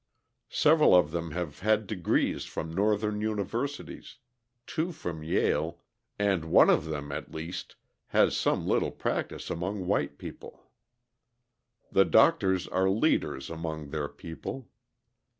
Several of them have had degrees from Northern universities, two from Yale; and one of them, at least, has some little practice among white people. The doctors are leaders among their people.